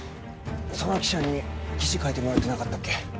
その記者に記事書いてもらってなかったっけ？